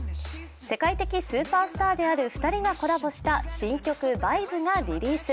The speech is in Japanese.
世界的スーパースターである２人がコラボした新曲「ＶＩＢＥ」がリリース。